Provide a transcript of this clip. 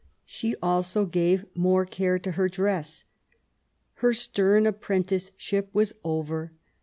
She also gave more care to her dress. Her stem apprenticeship was over.